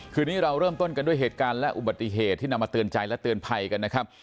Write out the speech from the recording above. คืนนี้เราเริ่มต้นกันด้วยเหตุการณ์และอุบัติเหตุที่นำมาเตือนใจและเตือนภัยกันนะครับ